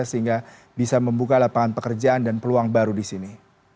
sehingga bisa membuka lapangan pekerjaan dan peluang baru di sini